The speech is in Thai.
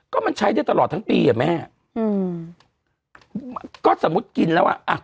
ก็มันใช้ได้ตลอดทั้งปีอ่ะแม่อืมก็สมมุติกินแล้วอ่ะ